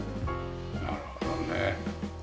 なるほどね。